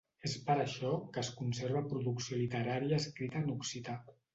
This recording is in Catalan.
És per això que es conserva producció literària escrita en occità.